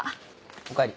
おかえり。